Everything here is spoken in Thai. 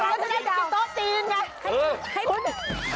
แล้วจะได้กินที่โต๊ะจีนไง